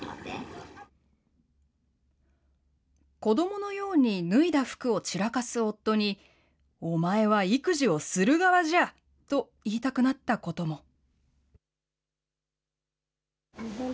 子どものように脱いだ服を散らかす夫に、お前は育児をする側じゃと言いたくなったことも。